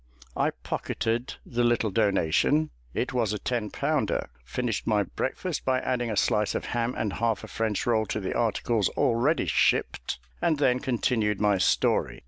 I pocketed the little donation it was a ten pounder; finished my breakfast, by adding a slice of ham and half a French roll to the articles already shipped, and then continued my story.